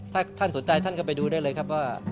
ถ้าท่านสนใจท่านก็ไปดูได้เลยครับว่า